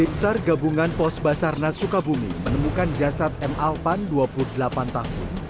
tim sar gabungan pos basarnas sukabumi menemukan jasad m alpan dua puluh delapan tahun